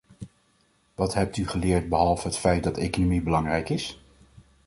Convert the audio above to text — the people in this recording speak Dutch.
Wat hebt u geleerd behalve het feit dat economie belangrijk is?